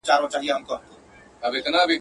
اشنا مي پاته په وطن سو.